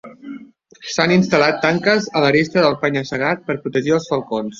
S'han instal·lat tanques a l'aresta del penya-segat per protegir els falcons.